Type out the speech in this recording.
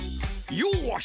よし！